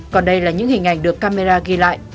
còn đây là những hình ảnh được camera ghi lại